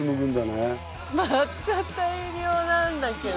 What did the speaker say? また大量なんだけど。